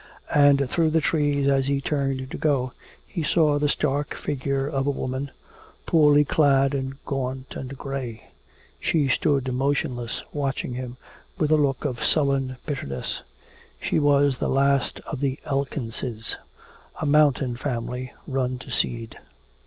And through the trees as he turned to go he saw the stark figure of a woman, poorly clad and gaunt and gray. She stood motionless watching him with a look of sullen bitterness. She was the last of "the Elkinses," a mountain family run to seed.